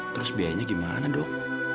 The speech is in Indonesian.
terus biayanya gimana dok